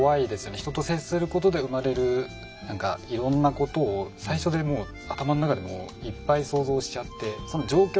人と接することで生まれる何かいろんなことを最初でもう頭の中でいっぱい想像しちゃって。